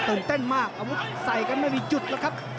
เต้นมากอาวุธใส่กันไม่มีจุดแล้วครับ